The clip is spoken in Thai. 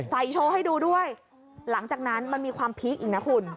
โชว์ให้ดูด้วยหลังจากนั้นมันมีความพีคอีกนะคุณ